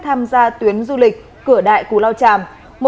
tham gia tuyến du lịch cửa đại cù lao tràm